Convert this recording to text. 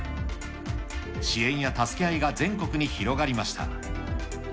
支援や助け合いが全国に広がりました。